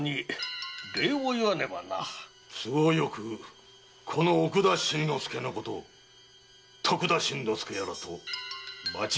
都合よくこの“奥田慎之介”のことを“徳田新之助”やらと間違えているようですし。